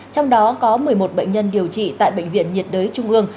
trong đó có một mươi một bệnh nhân điều trị tại bệnh viện nhiệt đới trung ương